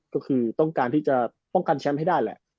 ก็คือต้องการที่จะป้องกันแชมป์ให้ได้แหละ